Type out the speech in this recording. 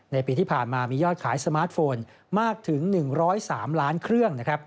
ปีที่ผ่านมามียอดขายสมาร์ทโฟนมากถึง๑๐๓ล้านเครื่อง